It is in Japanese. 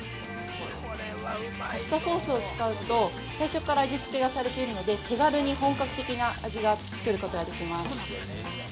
◆パスタソースを使うと、最初から味付けがされているので手軽に本格的な味が作ることができます。